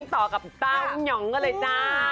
ต่อกับเต้ายองกันเลยจ้า